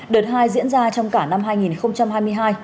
đợt hai diễn ra trong cả năm hai nghìn hai mươi hai